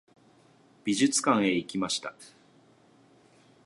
美術館へ行きました。